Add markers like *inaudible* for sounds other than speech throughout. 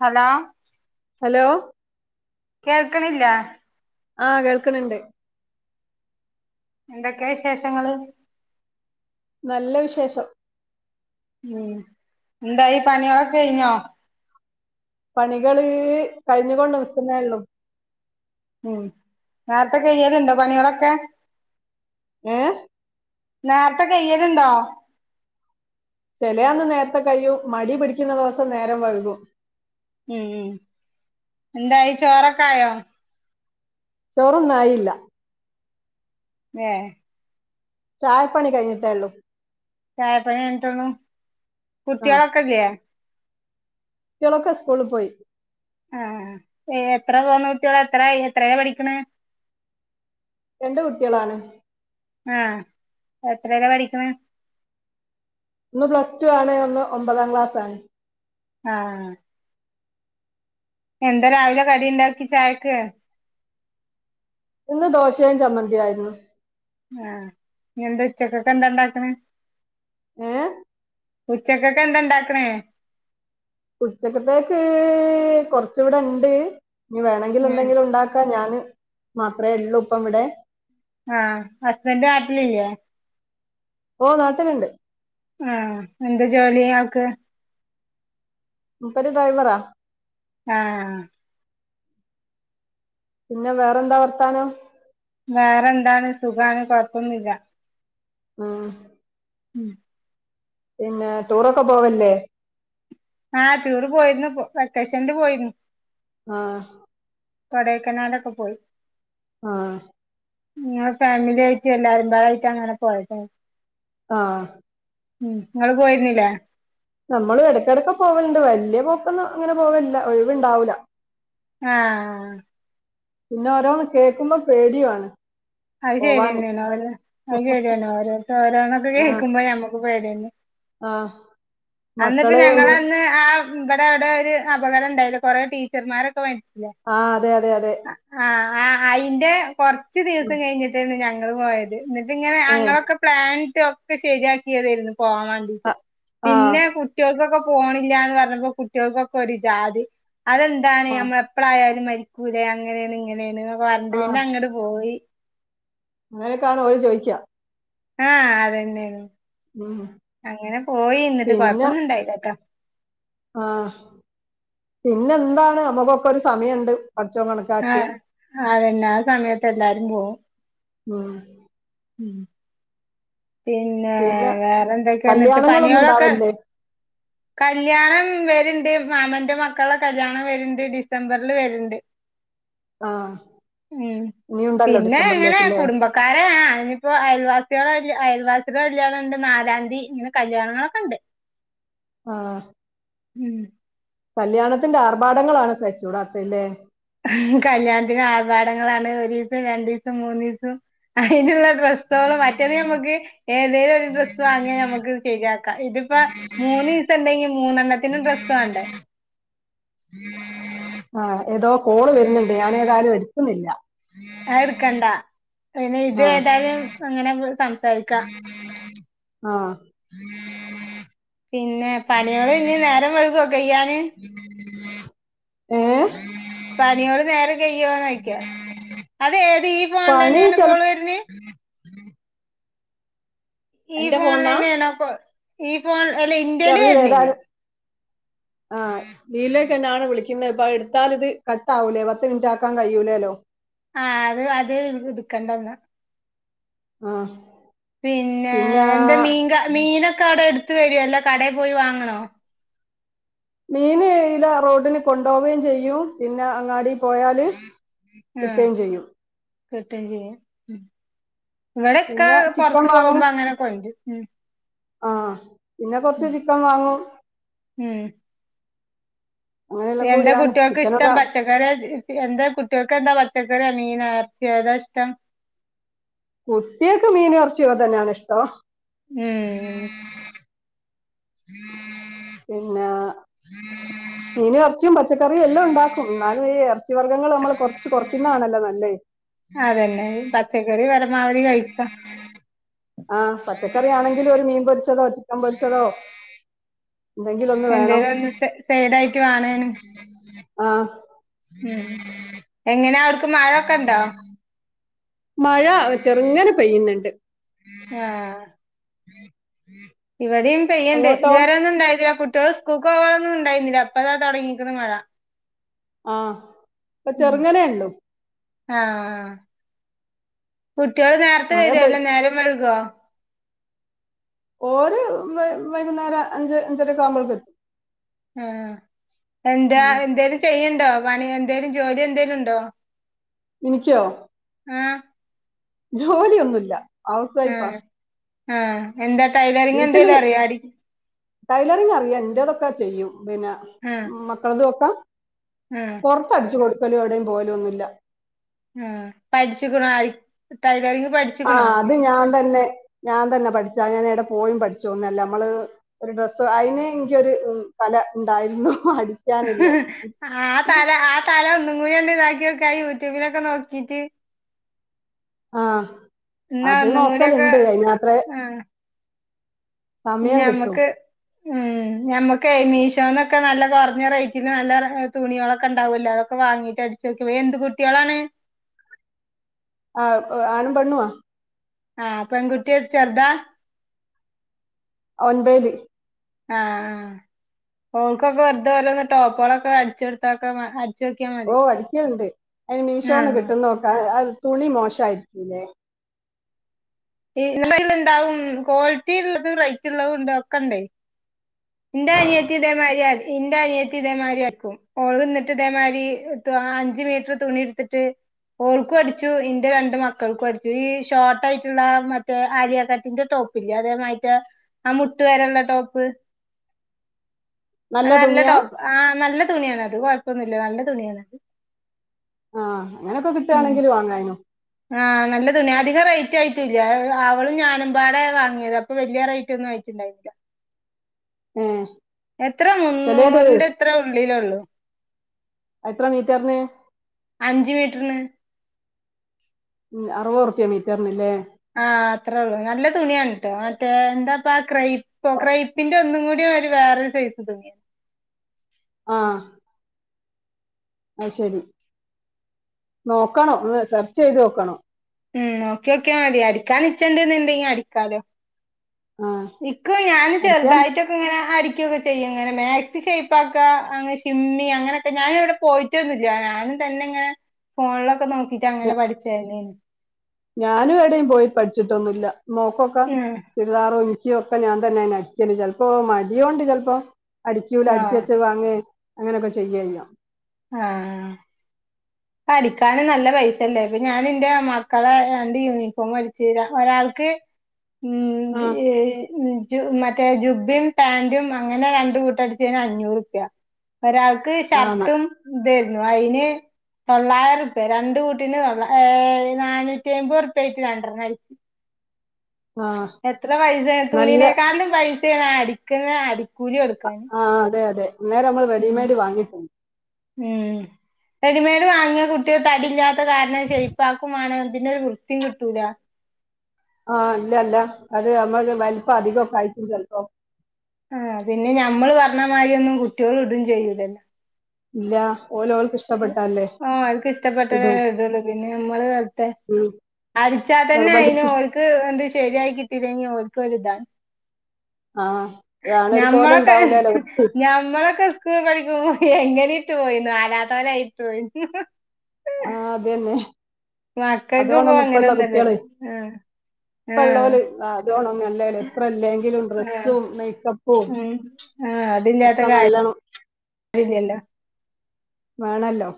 Hello. Hello. കേക്കണില്ല. ആഹ് കേൾക്കണിണ്ട്. എന്തൊക്കെ വിശേഷങ്ങള് നല്ല വിശേഷം ഉം എന്തായി പണ്യേളൊക്കെ കഴിഞ്ഞോ പണികള് കഴിഞ്ഞുകൊണ്ട് നിക്കുന്നെ ഒള്ളൂ ഉം നേരത്തെ കയ്യലുണ്ടോ പണികളൊക്കെ? ഏഹ്? നേരത്തെ കയ്യലുണ്ടോ? ചെലയാന്ന് നേരത്തെ കഴിയൂ മടി പിടിക്കുന്ന ദിവസം നേരം വഴുകൂ. ഉം ഉം എന്തായി ചോറൊക്കായോ ചോറൊന്നായില്ല ഏഹ് ചായ പണി കഴിഞ്ഞിട്ടേ ഒള്ളു ചായപ്പണി കഴിഞ്ഞ്ട്ടൊള്ളു. കുട്ട്യേളൊക്കെ ഇല്ലെ കുട്ട്യേളൊക്കെ സ്കൂള് പോയി ആഹ് എത്ര പോന്ന കുട്ട്യേള എത്ര ആയി എത്രേല പഠിക്കണ് രണ്ട് കുട്ട്യേളാണ് ആഹ് എത്രേല പഠിക്ക്ണ് ഒന്ന് പ്ലസ് ടു ആണ്. ഒന്ന് ഒമ്പതാം ക്ലാസ് ആണ് ആഹ് എന്താ രാവിലെ കടി ഇണ്ടാക്കി ചായക്ക് ഇന്ന് ദോശയും ചമ്മന്തി ആയിരുന്നു ആഹ് ഇഞ് എന്ത ഉച്ചക്കൊക്കെ എന്താ ഇണ്ടാക്ക്ണ് ഏഹ് ഉച്ചക്കെക്ക് എന്താ ഇണ്ടാക്ക്ണേ ഉച്ചക്കത്തേക്ക് കൊറ്ച്ച് ഇവടെ ഇണ്ട് ഇഞ്ഞ് വേണേങ്കില് ഉം എന്തെങ്കിലു ഇണ്ടാക്കാ ഞാന് മാത്രേ എള്ളൂ ഇപ്പ ഇവടെ ആഹ് ഹസ്ബൻഡ് ആട്ടിലില്ലേ ഓഹ് നാട്ടില്ണ്ട് ആഹ് എന്ത് ജോലി അയാൾക്ക് മുപ്പര് ഡ്രൈവറാ ആഹ് പിന്നെ വേറെന്താ വർത്താനം? വേറെന്താണ് സുഖാണ് കൊഴപ്പൊന്നുല്ല ഉം ഉം പിന്നെ ടൂറൊക്കെ പോവലില്ലേ? ആഹ് ടൂറ് പോയിരുന്നു ഇപ്പോ വെക്കേഷനില് പോയിരുന്നു ആഹ് കൊടൈക്കനാലൊക്കെ പോയി ആഹ് ഇങ്ങളെ ഫാമിലി ആയിറ്റ് എല്ലാരുമ്പാടെ ആയിറ്റ് അങ്ങനെ പോയതാ ആഹ് ഉം ഇങ്ങള് പോയിരുന്നില്ലേ? നമ്മളു എടക്കടക്ക പോവൽണ്ട് വല്ല്യ പോക്കൊന്നു അങ്ങന പോവല്ല ഒഴിവുണ്ടാവൂല ആ, ആ, ആ. പിന്നെ ഒരാന്ന് കേക്കുമ്പോ പേടിയാണ് അത് ശരിന്നെണ്. ഓരോ അത് ശരിയന്നെ, ഓരോട്ത്ത് ഓരോന്നൊക്കെ ആഹ് കേക്കുമ്പോ ഞമ്മക്ക് പേട്യന്നെ. ആഹ് അന്നിപ്പ മക്കള് ഞങ്ങളന്ന് ആ ഇവിടെ, അവിടെ ഒരു അപകടം ഉണ്ടായിലെ? കൊറേ ടീച്ചർമാരൊക്കെ മരിച്ച്? *inaudible* ആഹ അതെ അതെ അതെ ആ. അയിന്റെ കുറച്ച ഉം ദിവസം കഴിഞ്ഞിട്ടേന്ന് ഞങ്ങള് പോയത്. ന്നട്ട് ഇങ്ങനെ, ഏഹ് അങ്ങനൊക്കെ പ്ലാനിട്ട് ഒക്കെ ശരിയാക്കിയതേര്ന്ന്. പോവാൻ വാണ്ടിട്ട്. ആഹ് ആഹ് പിന്നെ, കുട്ടികൾക്കൊക്കെ *inaudible* പോണില്ലാന്ന് പറഞ്ഞപ്പോ, കുട്ടിയോൾക്കൊക്കെ ഒരു ജാതി. അതെന്താണ്? ആഹ് നമ്മൾ എപ്പഴായാലും മരിക്കും. ക്കൂലെയ്. അങ്ങനെയാണ്, ഇങ്ങനെയാണ് പറഞ്ണ്ട് പിന്നെ അങ്ങട്ട് പോയി *inaudible* അങ്ങനെ കാണ ഓ ചോദിക്കാ ആ അതന്നെണ്. ഉം അങ്ങനെ പോയി, ഇന്നിട്ട് കൊഴപ്പൊന്നും ഇണ്ടായില്ലട്ടോ. ആഹ പിന്നെ എന്താണ് അമ്മകൊക്കെ ഒരു സമയമുണ്ട് ആ, അതന്നെ. ആ സമയത്ത് എല്ലാരും പോവും. ഉം. ഉം പിന്നെ വേറെന്തൊക്കെയ എന്നിട്ട് കല്യാണങ്ങളൊന്നും പണികളൊക്കെ ഉണ്ടാവലില്ലേ കല്ല്യാണം വര്ണ്ട് മാമന്റെ മക്കളെ കല്യാണം വര്ണ്ട് ഡിസംബറില് വരുണ്ട് ആഹ് ഉം ഇനിയുണ്ടല്ലോ പിന്നെ എങ്ങനെ ഡിസംബറിലേക്ക് ല്ലേ കുടുംബക്കാരെ ഇനിയിപ്പോ അയൽവാസിളെ അയൽവാസിടേ കല്യാണം ഉണ്ട് നാലാന്തി ഇങ്ങനെ കല്യാണങ്ങളൊക്കെ ഉണ്ട് ആഹ് ഉം കല്യാണത്തിന്റെ ആർഭാടങ്ങളാണ് സഹിച്ചൂടാത്ത അല്ലെ കല്യാണത്തിന് ആർഭാടങ്ങളാണ്. ഒരീസം, രണ്ടീസം, മൂന്നീസം. അയ്ന്ള്ള *inaudible* ഡ്രസ്സ്കൾ മറ്റേത് നമുക്ക് ഏതേലും ഒരു ഡ്രസ്സ് വാങ്ങിയാൽ നമുക്ക് ശെരിയാക്കാം ഇതിപ്പ മൂന്നു ദിവസം ഇണ്ടെങ്കി മൂന്നെണ്ണത്തിനും ഡ്രെസ്സ് വേണ്ടേ ആ, ഏതോ കോള് വരുന്നുണ്ട്, ഞാൻ ഏതായാലും എടുക്കുന്നില്ല. ആ എടുക്കണ്ടാ പിന്നെ ഇത് ആ ഏതായാലും അങ്ങനെ സംസാരിക്കാം ആ. പിന്നെ പണികള് ഇഞ് നേരം വൈകുവ കയ്യാന് ഏ. പണിയോൾ നേരം കെയ്യോ ന്നോയ്ക്ക? അത് ഏ *unintelligible* പണി ചെലപ്പോ ഈ ഫോൺലന്നെ നക്ക ഈ ഫോൺ അല്ല ഇന്റേല് ചറിയടെ വര്ണില്ല ഏതായാലും ആഹ നീലേക്ക് എന്നാണ് വിളിക്കുന്നത് ഇപ്പൊ എടുത്താൽ ഇത് കട്ട ആവൂലേ പത്ത് മിനിറ്റ് ആക്കാൻ കഴിയൂലേല്ലോ ആ. അത്, അത് ഇട്ക്കണ്ടന്നാ. ആഹ് പിന്നെ, എന്താ മീൻക, മീനൊക്കെ അവിടെ എട് *inaudible* എട്ത്ത് വരുല്ലോ അതൊ കടയിൽ പോയി വാങ്ങണോ മീന്ല റോഡന് കൊണ്ടുപോവുകയും ചെയ്യും പിന്നെ അങ്ങാടി പോയാല് കിട്ടുകയും ചെയ്യും കിട്ടേ ചെയ്യും ഇവിടെക്കെ പിന്നെ ചിക്കൻ പുറത്ത് പോകുമ്പോ അങ്ങനൊക്കെ ഉണ്ട് ആഹ് പിന്നെ കൊറച്ച് ചിക്കൻ വാങ്ങും അങ്ങനെയെല്ലാം എന്റെ കൂടിയാണ് കുട്ടികൾക്ക് ഇഷ്ടം ചിക്കനൊക്കെ പച്ചക്കറി എന്റെ കുട്ടികൾക്ക് ക്കെന്താ പച്ചക്കറി മീനാ എർച്യാ ഏതാ ഇഷ്ടം കുട്ടിയാക് മീനും, എറച്ചിയൊക്കെ തന്നെണ് ഇഷ്ടോം. ഏ പിന്നാ മീനു എർച്ച്യും പച്ചക്കറിയു എല്ലം ണ്ടാക്കും ന്നാലു ഈ എർച്ചി വർഗ്ഗങ്ങള് നമ്മള് കുറച്ച് കൊറയ്ക്കുന്നതാണല്ലൊ നല്ലഅ. അതെന്നെ പച്ചക്കറി പരമാവധി കഴിക്ക ആ പച്ചക്കറി ആണെങ്കിലു ഒരു മീം പൊരിച്ചതോ, ചിക്കം പൊരിച്ചതോ എന്തെങ്കിലും ഒന്ന് വേണം എന്തേലു ഒന്ന് സ സൈഡായ്ട്ട് വാണയ്ന് ആ ഉം. എങ്ങനാവ്ട്ക്ക് മഴൊക്കണ്ടോ മഴ ഒ ചെറ്ങ്ങന പെയ്യ്‌ന്ന്ണ്ട് ങാ ഇവിടെയും പെയ്യ്ണ്ട് അങ്ങോട്ടോ വേറെന്നും ഉണ്ടായതില്ല കു ട്യൾ സ്ക്കൂക്ക് പോവാനൊന്നുണ്ടായിനില്ല പ്പതാ തൊടങ്ങീക്ക്ണ് മഴ ആ പ്പ ചെറ്ങ്ങനേള്ളു. ആആ കുട്ട്യൾ നേർത്തെ മഴ വെരോ, പെയ് അല്ലെ നേരം വഴുകോ? ഓര് വ് വൈകുന്നേര അഞ്ച് അഞ്ചരൊക്കാവുമ്പെക്ക ആ എന്റാ എന്റേലും ചെയ്യ്‌ൻ ണ്ടോ പണി എന്തേലും ജോലി എന്തേലുണ്ടോ ഇനിക്ക്യോ? ആഹ് ജ്ജോലിയൊന്നുല്ല ഹൗസ്‌ വൈഫ ആ എന്താ ടൈലറിങെന്തേലു അറിയോ അടി ടൈലറിങ്ങറിയ ന്റതൊക്ക ചെയ്യും പിന്ന ആഹ് മക്കളതു ഒക്ക ആഹ് പൊറത്തടിച്ച് കൊടുക്കലു എവടെയ് പോവലൊന്നുല്ല ആ. പടിച്ചിക്ക്ണോ ആയി ടൈലറിംങ്ങ് ആ അത് ഞന്തെന്നെ ഞാന്തെന്നെ പടിച്ചാ ഞാനെട പോയും പഠിച്ചൊന്നല്ല അമ്മള് ഒരു ഡ്രസ്സ് അയിനേ ങ്കിയൊരു തല ണ്ടായിരുന്നു ആ തല ആ തലോ ങ്ങതാക്കിയൊക്ക ആയി യൂട്യൂബിലൊക്കെ നോക്കിട്ട് ആ ന്നാ അത് ഒന്നും കൂടിയൊക്ക നോക്കലുണ്ട് ആ സമിയം കിട്ടും ഞമ്മക്കെ, മീശോന്നൊക്കെ നല്ല കൊർഞ്ഞ റേറ്റിന് നല്ല തുണികളൊക്കണ്ടാവല്ലോ അതൊക്കെ വാങ്ങീറ്റട് ചോയ്ക്കവേ ന്ത് കുട്ട്യാളാണ്? ആ ആണും പെണ്ണുആ? ആ പെൺകുട്ടി ചെർതാ? അ ഒൻപയില്. ആ ആ ഓൾക്കൊക്കെ വെർ തെ ഒരോരെ ടോപുകളൊക്കെ അട്ച്ച് കൊട്ത്തക്ക ഓ, അടിയ്ക്കൽണ്ട്. അയിന് ആ മീശോന്ന് കിട്ടുന്നൊക്ക തുണി മോശായിക്കൂലേ? *inaudible* ഇണ്ടാവും കോൾറ്റില്ള്ളതും റേറ്റ്ള്ളതുണ്ട് ഒക്കണ്ട് ന്റെ അനിയത്തി ഇതേ മാ യിരിയാ ഇന്റെ അനിയത്തി ദേ മായിരി ആക്കും ഓൾന്ന്‌ട്ട് ദേ മായിരി ത് അഞ്ച് മീറ്റ്റ് തുണിയെട്ത്ത് ട്ട് ഓൾക്കു അടിച്ചു ഇന്റെ രണ്ട് മക്കൾക്കു അടിച്ചു ഈ ഷോട്ടായി ള്ളാ മറ്റെ ആലിയ കട്ടിന്റെ ടോപ്പ് ല്ലെ അതേ മാരിത്തേ അമുട്ട് വരെള്ള ടോപ് അഅ് നല്ല ടോ ആ നല്ല തുണിയാണത് കൊഴപ്പൊന്നുല്ല നല്ല തുണിയാണത്. ആ അങ്ങനൊക്ക ക്‌ട്ടാണെങ്കില് വാങ്ങായ്നു ആ നല്ല തുണിയാ അദികം റേറ്റായിറ്റില്ല അവളും ഞാനും പാടെ വാങ്ങ്യതാ അപ്പോ വല്ല്യ റേറ്റൊന്നും ആയിട്ട്ണ്ടായിട്ടില്ല ഏ എത്ര ചിലത് മുന്നൂറ്ന്റെ ത്രെ ഉള്ളിലേള്ളു അഎത്ര മീറ്റർന്ന്? അഞ്ച് മീറ്റർന്ന് ഉം അറുവത് റുപ്യ മീറ്ററിന്ല്ലേ ആ അത്രേ ഉള്ളൂ നല്ല തുണിയാണ് ട്ടോ മറ്റേ എന്താപ്പ ക്രൈപ്പോ ക്രൈപ്പിന്റെ ഒന്നും കൂ ടിരു വേറൊരു സൈസ് തുണിയ ആ അയ് ശരി നോക്കണം ഒന്ന് സെർച്ച് ചെയ്ത് നോക്കണം ഉം നോക്ക്യോക്ക്യാ മതി അടിക്കാൻ നിച്ചണ്ട്ന്ന് ഇണ്ടങ്കെ അടിക്കാലോ ആ നിക്കും ഞാൻ അടിക്കാൻ ചെറുതായിട്ടൊക്കെ ഇങ്ങനെ അടി ക്കുംക്കചെയ്യും ഇങ്ങനെ മാക്സി ഷെയ്പ്പാക്ക അങ്ങഷിമ്മി അങ്ങനെയൊക്കെ ഞാനെവടെ പോയിട്ടൊന്നുല്ല ഞാൻ തന്നെ ഇങ്ങനെ ഫോണിലൊക്കെ നോക്കിട്ട് അങ്ങനെ പഠിച്ചതന്നെയാണ് ഞാനും എവിടയും പോയി പഠിച്ചിട്ടൊന്നുല്ല മോക്കൊക്കെ ആഹ് ചുരിദാറ് തുന്ന ക്കും ഒക്കെ ഞാൻ തന്നെണ് അടിക്കണ് ചെലപ്പോ മടിയോണ്ട് ചെലപ്പോ അടിക്കൂല ആഹ് അടിച്ചച്ചത് വാങ്ങെ അങ്ങനൊക്കെ ചെയ്യയ്യാം ആ അ പ്പ അടിക്കാന് നല്ല പൈസല്ലേ ഇപ്പൊ ഞാൻ ന്റെ മക്കളെ രണ്ട് യൂണിഫോം അടിച്ചു ര ഒ രാക്ക് ഉം ആ എ് ഉം ജു മറ്റേ ജുബും പാൻറും അങ്ങനെ രണ്ട് കൂട്ടം അടിച്ചേന് അഞ്ഞൂറ് റുപ്യ ഒരാൾക്ക് ആണ് ഷർട്ടും ഇതേർന്നു അയിന് തൊള്ളായിരം റുപ്യ രണ്ട് കൂട്ടീന് തൊ ഏ നാനൂറ്റി അയ്മ്പത് റുപ്പ്യ ആയിട്ട് രണ്ടെണ്ണം അടിച്ച് ആ എത്ര പൈസ നല്ല തുണിനേക്കാലും പൈസയാണ് അടിക്കണ അടിക്കൂലി കൊടുക്കാന് ആ അതെ അതെ അന്നേരം നമ്മൾ ഉം റെഡിമെയ്ഡ് വാങ്ങിയിട്ടുണ്ട് ഉം റെഡിമേ ഡ് വാങ്ങിയ കുട്ടികള് തടില്ലാത്ത കാരണം ഷെയ്പ്പാക്കും വേണം പിന്നെ ഒരു വൃത്തിയും കിട്ടൂല ആ ഇല്ലല്ല അത് നമ്മള് വലിപ്പം അധികം ആയിക്കും ചെലപ്പോ ആ പിന്നെ ഞമ്മള് പറഞ്ഞമായ്രി ഒന്നും കുട്ട്യോള് ഇടും ചെയ്യൂലല്ലോ ഇല്ല ഓലോൾക്ക് ഇഷ്ടപ്പെട്ടല്ലേ ആ അവര്ക് ഇഷ്ടപ്പെട്ടതേ ഇത് ഇടുള്ളൂ പിന്നെ മ്മള് കാലത്തെ ഉം. അടിച്ചാ തന്നെ അയിന് നിർബന്ധിച്ച് ഓൽക്ക് ന്ത് ശരിയായി കിട്ടില്ലെങ്കിൽ ഓൽക്ക് ഒരു ഇതാണ് ആ അതാണ് ഒരു കോലം ഞമ്മളൊക്കെ ഉണ്ടാവില്ലല്ലോ വൃത്തി. ഞമ്മളൊക്കെ സ്കൂൾ പഠിക്കുമ്പോയെങ്ങനെ ക്കിട്ട് പോയിനു ആലാത്തോലായി ഇട്ട് പോയി ആ അതന്നെ മക്കൾക്ക് ഇപ്പോ അതോണ്ടൊന്നും ഇപ്പള്ള കുട്ടിള് അങ്ങനൊന്നുല്ലല്ലോ ആഹ് ഇപ്പ ഉള്ള ആഹ് ഓല് ആ അല്ലേലും എത്ര ഇല്ലെങ്കിലും ആഹ് ഡ്രസ്സും മേക്കപ്പും ഉം ഒക്കെ നല്ലണം വരില്ല്യല്ലോ ന്നല്ലോ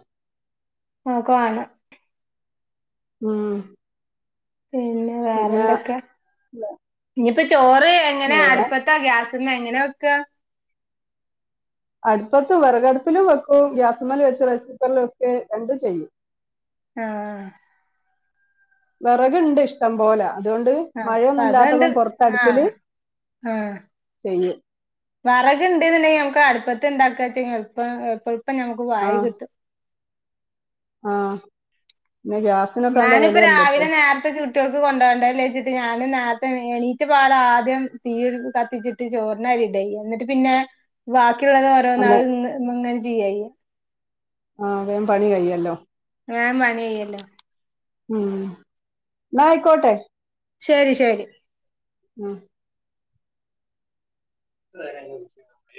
നോക്കാണ് ഉം പിന്നെ പിന്നെ വേറെന്തൊക്കെ ഞിപ്പോ ചോറ് എങ്ങനെയ വേറെ അടുപ്പത്താ ഗ്യാസ് ത്തുമെങ്ങനാ വെക്ക അടുപ്പത്ത് വെറകടുപ്പിലും വെക്കും ഗ്യാസ്മ്മല് വെച്ച് റൈസ് കുക്കറില് വെക്കെ രണ്ട് ചെയ്യും ആ വെറകുണ്ട് ഇഷ്ടം പോലെ അതുകൊണ്ട് ആഹ് മഴയൊന്നുല്ലാത്തപ്പം പൊറത്തടുപ്പില് ആ വെറക് ഇണ്ട്ന്നെണ്ടങ്കെ ഞമ്മക്ക് അടുപ്പത്ത് ഇണ്ടാക്ക ച്ചിങ്ങ എളുപ്പം എളുപ്പം ഞമക്ക് വാരി കിട്ടും ആ ഞാനിപ്പ രാവിലെ നേരത്തെച്ച് കുട്ട്യോളക്ക് കൊണ്ടുവണ്ടേന്ന്ച്ച് ഞാന് നേരത്തെ എണീഎണീറ്റ പാട് ആദ്യം തീയ്യ് കത്തിച്ചിട്ട് ചോറിനരിടയ്യ ന്നിട്ട് പിന്നെ ബാക്കിയുള്ളത് ഓരോന്ന് അതെ അത് ങ്ങ്ങ്ങനെ ചെയ്യയ്യ ആ വേൻ പണി കയ്യിയല്ലോ വേം പണി കയ്യല്ലോ ഉം ന്നാ അയ്ക്കോട്ടെ ശരി ശരി ഉം അ